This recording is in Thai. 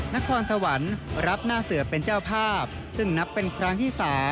นครสวรรค์รับหน้าเสือเป็นเจ้าภาพซึ่งนับเป็นครั้งที่๓